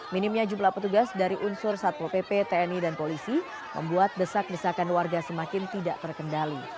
minimnya jumlah petugas dari unsur satpol pp tni dan polisi membuat desak desakan warga semakin tidak terkendali